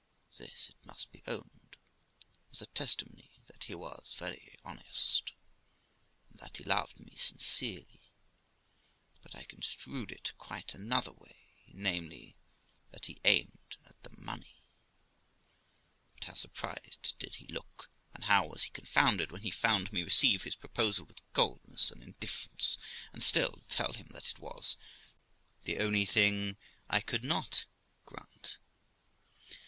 This, it must be owned, was a testimony that he was very honest, and that he loved me sincerely; but I construed it quite another way, namely, 278 TIIE LIFE OF ROXANA that he aimed at the money. But how surprised did he look, and how was he confounded, when he found me receive his proposal with coldness and indifference, and still tell him that it was the only thing I could not grant